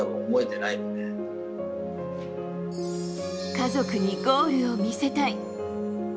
家族にゴールを見せたい。